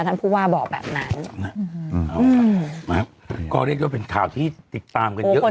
ท่านผู้ว่าบอกแบบนั้นอืมอืมมาก็เรียกว่าเป็นข่าวที่ติดตามกันเยอะกว่าเกิน